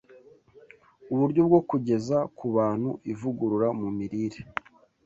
Uburyo bwo kugeza ku bantu ivugurura mu mirire